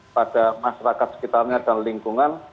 pada masyarakat sekitarnya dan lingkungan